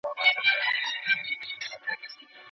خپل تخصصي مهارتونه په سمه توګه په کار واچوئ.